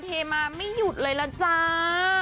เทมาไม่หยุดเลยล่ะจ้า